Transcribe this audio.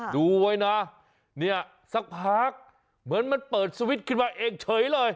ดูไว้นะเนี่ยสักพักเหมือนมันเปิดสวิตช์ขึ้นมาเองเฉยเลย